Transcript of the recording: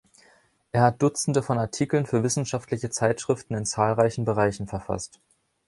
Er hat Dutzende von Artikeln für wissenschaftliche Zeitschriften in zahlreichen Bereichen verfasst.